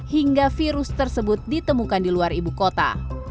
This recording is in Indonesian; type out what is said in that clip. hingga virus tersebut ditemukan di luar ibu kota